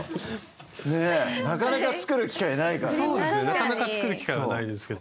なかなか作る機会はないですけど。